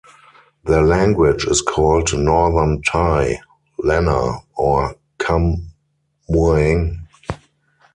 Their language is called Northern Thai, Lanna, or "Kham Mueang".